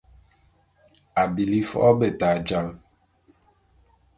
A bili fo’o beta jal .